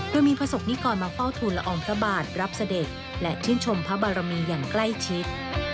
โดยมีประสบนิกรมาเฝ้าทูลละอองพระบาทรับเสด็จและชื่นชมพระบารมีอย่างใกล้ชิด